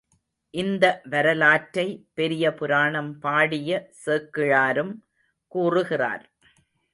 இந்த வரலாற்றை பெரிய புராணம் பாடிய சேக்கிழாரும் கூறுகிறார்.